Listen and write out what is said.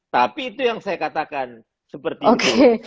tapi itu yang saya katakan seperti itu